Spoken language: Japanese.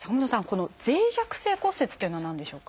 この脆弱性骨折というのは何でしょうか？